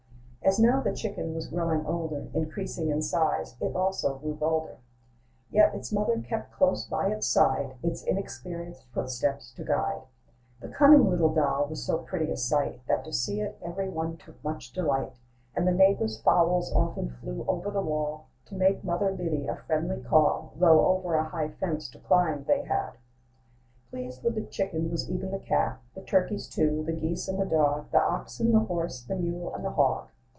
As now the chicken was growing older, Increasing in size, it also grew bolder; Yet its mother kept close by its side, Its inexperienced footsteps to guide. The cunning little doll was so pretty a sight, That to see it every one took much delight; And the neighbors' fowls often flew over the wall, To make Mother Biddy a friendly call, Though over a high fence to climb they had. Pleased with the chicken was even the cat; The turkeys, too, the geese, and the dog, The oxen, the horse, the mule, and the hog.